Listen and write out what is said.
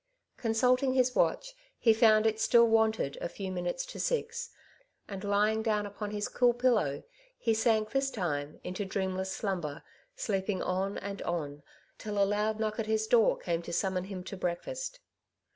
Consulting his watch he found it still wanted a few minutes to six, and lying down upon his cool pillow, he sank this time into dreamless slumber, sleeping on and on, till a loud knock at his door came to summon him to breakfast.